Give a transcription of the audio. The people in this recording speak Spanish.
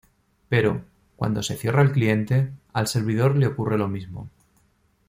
Pero, cuando se cierra el cliente, al servidor le ocurre lo mismo.